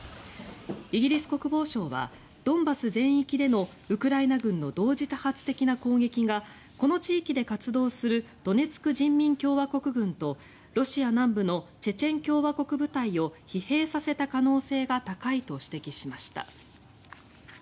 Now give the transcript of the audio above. イギリス国防省はドンバス全域でのウクライナ軍の同時多発的な攻撃がこの地域で活動するドネツク人民共和国軍とロシア南部のチェチェン共和国部隊を疲弊させた可能性が高いと指摘しました。